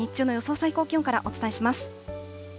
最高気温からお伝えします。